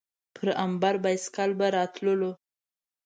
پر امبر بایسکل به راتللو.